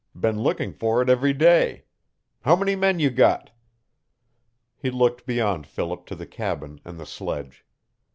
Been looking for it every day. How many men you got?" He looked beyond Philip to the cabin and the sledge.